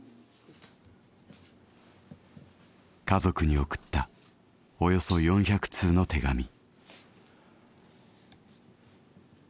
家族に送ったおよそ４００通の手紙。